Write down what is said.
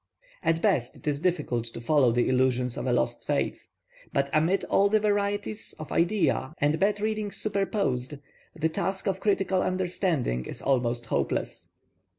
At best it is difficult to follow the illusions of a lost faith, but amid all the varieties of idea and bad readings superposed, the task of critical understanding is almost hopeless.